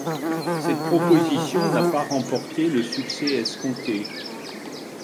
Cette proposition n'a pas remporté le succès escompté.